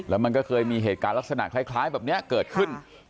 แล้วมันก็เคยมีเหตุการณ์ลักษณะคล้ายแบบนี้เกิดขึ้น